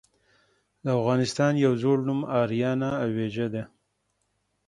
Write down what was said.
د افغانستان يو ﺯوړ نوم آريانا آويجو ده .